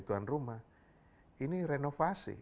tuan rumah ini renovasi